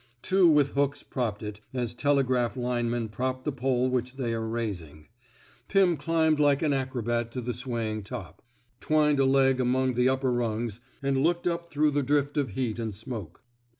Two with hooks propped it, as tele graph linemen prop the pole which they are raising. Pim climbed like an acrobat to the swaying top, twined a leg among the 113 f THE SMOKE. EATEBS upper rungs, and looked up through the drift of heat and smoke.